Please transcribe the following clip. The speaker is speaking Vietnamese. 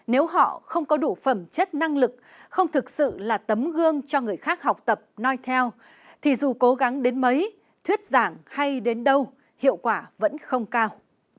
nếu họ không có đủ phẩm chất năng lực không thực sự là tấm gương cho người khác học tập nói theo thì dù cố gắng đến mấy thuyết giảng hay đến đâu hiệu quả vẫn không cao